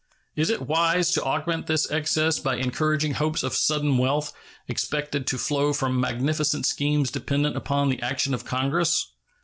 Is it wise to augment this excess by encouraging hopes of sudden wealth expected to flow from magnificent schemes dependent upon the action of Congress?